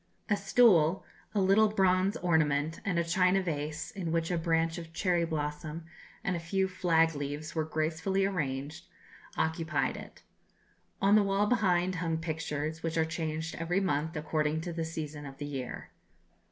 A stool, a little bronze ornament, and a China vase, in which a branch of cherry blossom and a few flag leaves were gracefully arranged, occupied it. On the wall behind hung pictures, which are changed every month, according to the season of the year.